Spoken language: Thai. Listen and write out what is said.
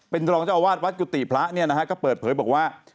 เป็นตรงเจ้าอาวาสวัฒน์กุฏติพระก็เปิดเผยบอกว่า